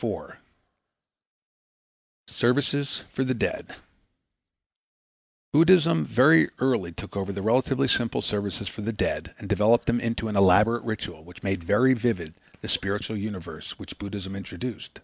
4. Services for the Dead Buddhism very early took over the relatively simple services for the dead and developed them into an elaborate ritual which made very vivid the spiritual universe which Buddhism introduced.